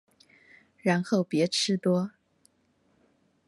然後別吃多